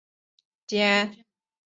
杨树后来夹在了唐红和顾菁菁之间。